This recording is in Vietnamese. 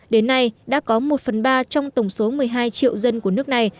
đến nay đã có một phần ba trong tổng số một mươi hai triệu dân của nước này